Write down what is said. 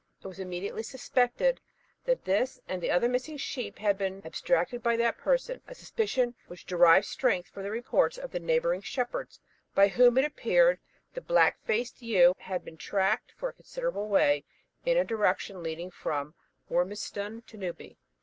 It was immediately suspected that this and the other missing sheep had been abstracted by that person; a suspicion which derived strength from the reports of the neighbouring shepherds, by whom, it appeared, the black faced ewe had been tracked for a considerable way in a direction leading from Wormiston to Newby.